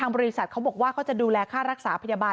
บริษัทเขาบอกว่าเขาจะดูแลค่ารักษาพยาบาล